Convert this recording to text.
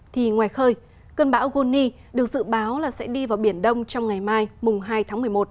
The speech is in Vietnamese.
thì ngoài khơi cơn bão goni được dự báo là sẽ đi vào biển đông trong ngày mai mùng hai tháng một mươi một